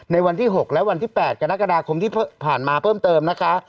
วันที่๖และวันที่๘กรกฎาคมที่ผ่านมาเพิ่มเติมนะคะ